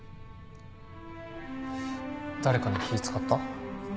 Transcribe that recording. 誰かに気使った？